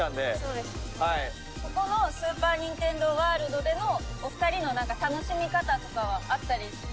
ここのスーパー・ニンテンドー・ワールドでのお二人の何か楽しみ方とかはあったりしますか？